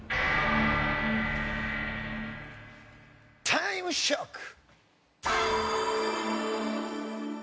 タイムショック！